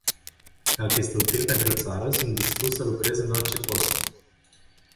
Dacă este util pentru țară, sunt dispus să lucrez în orice post.